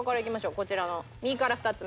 こちらの右から２つ目。